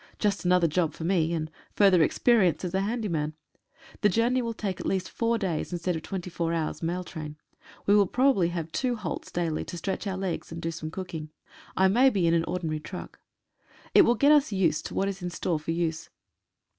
Just another job for me, and further experience as a handyman. The journey will take at least four days, instead of twenty four hours mail train. We will have probably two halts daily to stretch our legs, and do some cooking. I may be in an ordinary truck. It will get us used to what is in store for use.